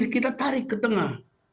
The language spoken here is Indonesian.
kita tarik ke tengah